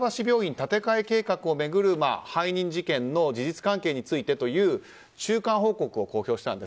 建て替え計画を巡る背任事件の事実関係についてという中間報告書を公表したんです。